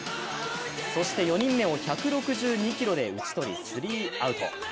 そして４人目を１６２キロで打ち取りスリーアウト。